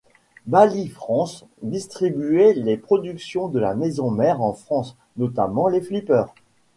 Bally France distribuait les productions de la maison mère en France, notamment les flippers.